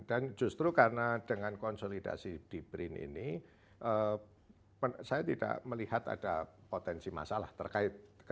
dan justru karena dengan konsolidasi di brin ini saya tidak melihat ada potensi masalah terkait keterseluruhan